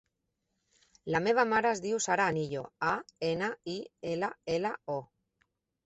La meva mare es diu Sara Anillo: a, ena, i, ela, ela, o.